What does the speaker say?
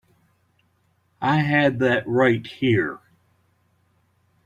I had that right here.